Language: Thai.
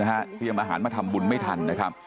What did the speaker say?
เหยียบมาหาผันมาทำบุญไม่ทัน